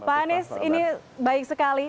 pak anies ini baik sekali